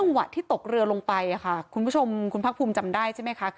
จังหวะที่ตกเรือลงไปคุณผู้ชมผักภูมิจำได้ใช่มั้ยค่ะ